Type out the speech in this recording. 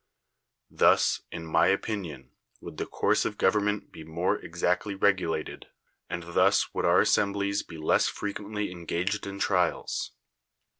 Thus, in my opinion, would the course of government be more exactly regulated, and thus would our assem blies be less frequently engaged in trials.